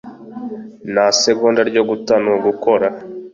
Nta segonda ryo guta nugukora